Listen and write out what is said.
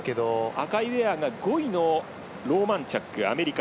赤いウエアが５位のローマンチャックアメリカ。